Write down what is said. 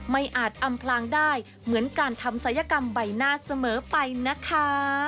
อาจอำพลางได้เหมือนการทำศัยกรรมใบหน้าเสมอไปนะคะ